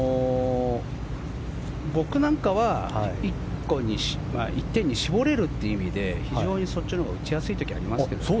僕なんかは１点に絞れるという意味で非常にそっちのほうが打ちやすい時ありますけどね。